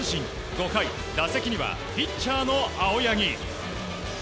５回、打席にはピッチャーの青柳。